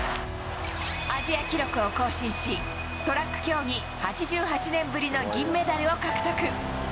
アジア記録を更新し、トラック競技８８年ぶりの銀メダルを獲得。